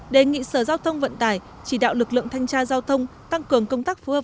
đề nghị sở giao thông vận tải chỉ đạo lực lượng thanh tra giao thông tăng cường công tác phối hợp